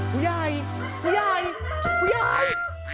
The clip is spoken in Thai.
ผู้ใหญ่